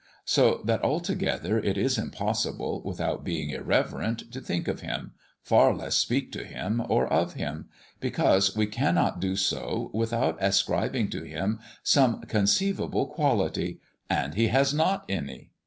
So that altogether it is impossible, without being irreverent, to think of Him, far less speak to Him or of Him, because we cannot do so without ascribing to Him some conceivable quality and He has not any.